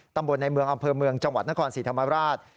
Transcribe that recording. ตำบลในเมืองอำเภอเมืองจังหวัดนครศรีธรรมราช